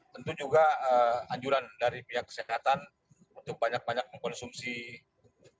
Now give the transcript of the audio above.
tentu juga anjuran dari pihak kesehatan untuk banyak banyak mengkonsumsi obat